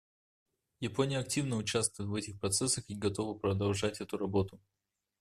Япония активно участвует в этих процессах и готова продолжать эту работу.